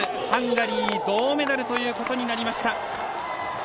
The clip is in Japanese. ハンガリー、銅メダルということになりました。